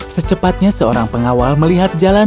secepatnya seorang pengawal melihat jalan